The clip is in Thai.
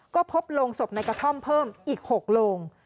ก็พบโรงศพในกระท่อมเพิ่มอีก๖โรง